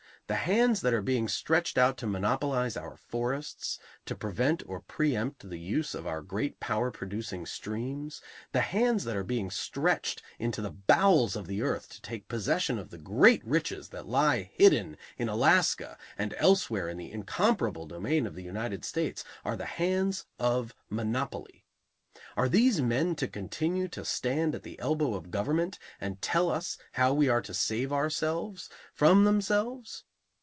The hands that are being stretched out to monopolize our forests, to prevent or pre empt the use of our great power producing streams, the hands that are being stretched into the bowels of the earth to take possession of the great riches that lie hidden in Alaska and elsewhere in the incomparable domain of the United States, are the hands of monopoly. Are these men to continue to stand at the elbow of government and tell us how we are to save ourselves, from themselves?